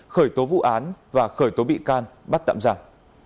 khởi tố vụ án và khởi tố bị can bắt tạm giả